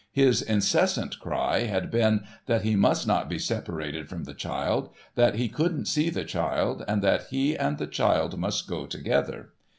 His incessant cry had been that he must not be separated from the child, that he couldn't see the child, and that he and the child must go together.